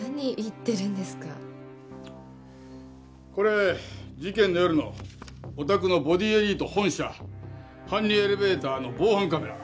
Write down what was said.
これ事件の夜のおたくのボディエリート本社搬入エレベーターの防犯カメラ。